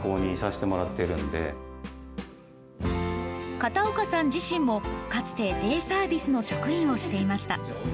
片岡さん自身も、かつてデイサービスの職員をしていました。